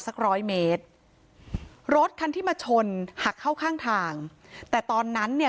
สักร้อยเมตรรถคันที่มาชนหักเข้าข้างทางแต่ตอนนั้นเนี่ย